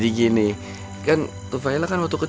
aku gak berhak